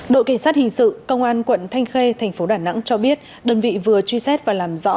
đội cảnh sát hình sự công an quận thanh khê thành phố đà nẵng cho biết đơn vị vừa truy xét và làm rõ